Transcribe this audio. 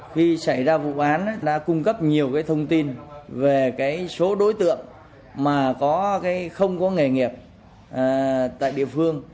khi xảy ra vụ án đã cung cấp nhiều thông tin về số đối tượng mà không có nghề nghiệp tại địa phương